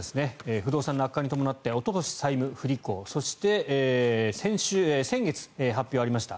不動産の悪化に伴っておととし債務不履行そして先月、発表がありました。